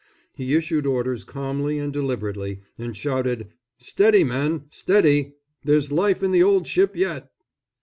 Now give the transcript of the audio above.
He issued orders calmly and deliberately, and shouted, "Steady, men, steady! There's life in the old ship yet!"